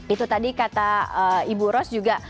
itu tadi kata ibu ros juga